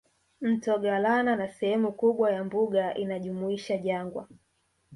Mto Galana na Sehemu kubwa ya mbuga inajumuisha jangwa